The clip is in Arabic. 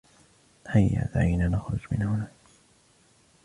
هيا. دعينا نخرج من هنا.